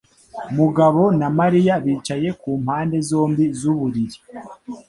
Mugabo na Mariya bicaye ku mpande zombi z'uburiri.